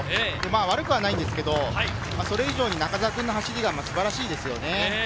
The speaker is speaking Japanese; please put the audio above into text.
悪くはないんですけど、それ以上に中澤君の走りが素晴らしいですよね。